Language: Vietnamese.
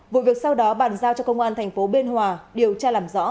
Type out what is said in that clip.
vụ việc sau đó bàn giao cho công an tp biên hòa điều tra làm rõ